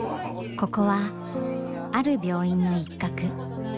ここはある病院の一角。